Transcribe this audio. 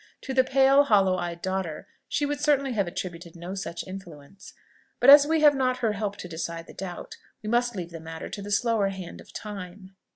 To the pale, hollow eyed daughter she would certainly have attributed no such influence. But as we have not her help to decide the doubt, we must leave the matter to the slower hand of time.